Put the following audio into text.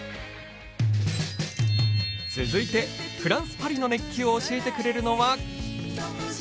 続いて、フランス・パリの熱気を教えてくれるのは？